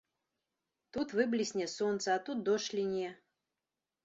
Тут выблісне сонца, а тут дождж ліне.